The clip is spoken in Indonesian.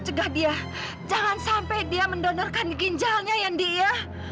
cegah dia jangan sampai dia mendonorkan ginjalnya ya indi ya